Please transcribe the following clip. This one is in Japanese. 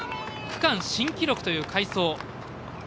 区間新記録という快走。